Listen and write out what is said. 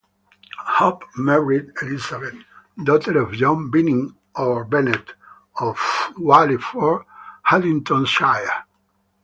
Hope married Elizabeth, daughter of John Binning or Bennet of Wallyford, Haddingtonshire.